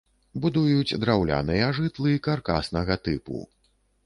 Будуюць драўляныя жытлы каркаснага тыпу.